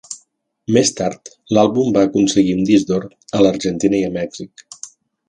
Més tard, l'àlbum va aconseguir un disc d'or a l'Argentina i a Mèxic.